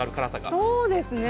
そうですね。